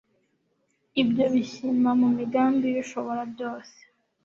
Ibyo bishyima mu migambi yUshobora byose.